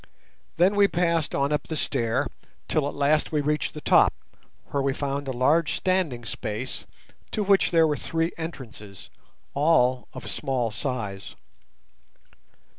Then we passed on up the stair till at last we reached the top, where we found a large standing space to which there were three entrances, all of small size.